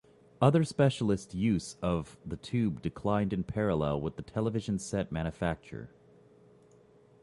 Other specialist uses of the tube declined in parallel with the television set manufacture.